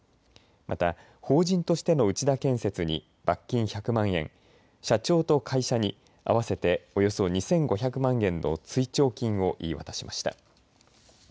また法人としての内田建設に罰金１００万円、社長と会社に合わせておよそ２５００万円の追徴金を言い渡しました。